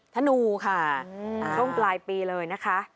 ธนูค่ะช่วงปลายปีเลยนะคะ